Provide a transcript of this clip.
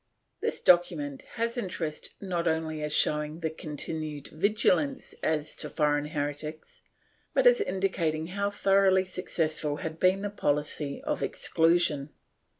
This document has interest not only as showing the continued vigilance as to foreign heretics, but as indicating how thoroughly successful had been the policy of exclusion.